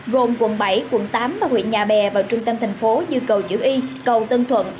gồm quận bảy quận tám và huyện nhà bè vào trung tâm thành phố như cầu chữ y cầu tân thuận